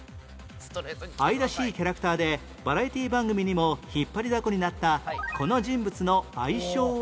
愛らしいキャラクターでバラエティー番組にも引っ張りだこになったこの人物の愛称は何？